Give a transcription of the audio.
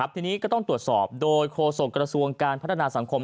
ทีนี้ก็ต้องตรวจสอบโดยโฆษกระทรวงการพัฒนาสังคม